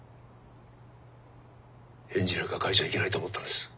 返事なんか書いちゃいけないと思ったんです。